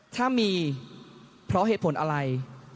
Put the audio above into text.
ถ้ามีเพราะเหตุผลอะไร